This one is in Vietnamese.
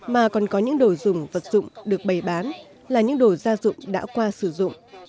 mà còn có những đồ dùng vật dụng được bày bán là những đồ gia dụng đã qua sử dụng